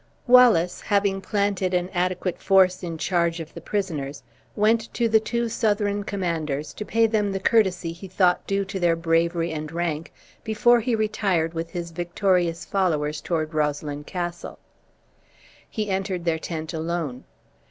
Wallace, having planted an adequate force in charge of the prisoners, went to the two Southron commanders to pay them the courtesy he thought due to their bravery and rank, before he retired with his victorious followers toward Roslyn Castle. He entered their tent alone.